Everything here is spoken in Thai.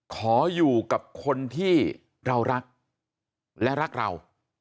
ขออยู่กับคนที่เรารักและรักเรา